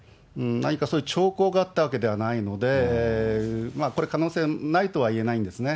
何かそういう兆候があったわけではないので、これ、可能性ないとはいえないんですね。